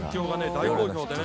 大好評でね。